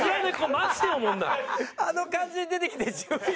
あの感じで出てきて１０位。